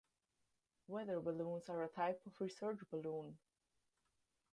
Weather balloons are a type of research balloon.